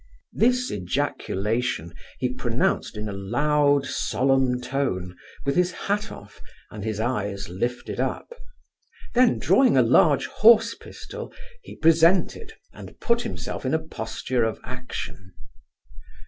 This ejaculation he pronounced in a loud solemn tone, with his hat off, and his eyes lifted up; then drawing a large horse pistol, he presented, and put himself in a posture of action.